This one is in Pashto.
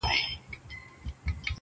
د سوځېدلو قلاګانو او ښارونو کوي-